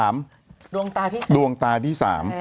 มือที่๓